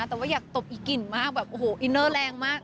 แต่ว่าอยากตบอีกลิ่นมากแบบโอ้โหอินเนอร์แรงมาก